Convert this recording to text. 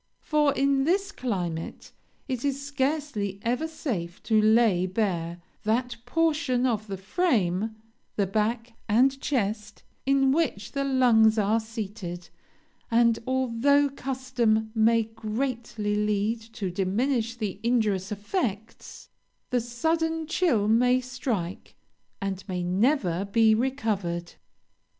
For, in this climate, it is scarcely ever safe to lay bare that portion of the frame, the back and chest in which the lungs are seated; and, although custom may greatly lead to diminish the injurious effects, the sudden chill may strike, and may never be recovered.